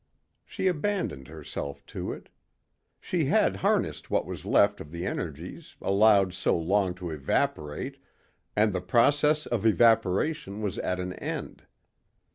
She abandoned herself to it. She had harnessed what was left of the energies allowed so long to evaporate and the process of evaporation was at an end.